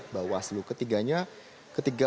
bawaslu ketiganya ketiga